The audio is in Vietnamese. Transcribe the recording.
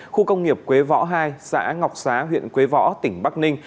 khu công nghiệp quế võ hai xã ngọc xá huyện quế võ tỉnh bắc ninh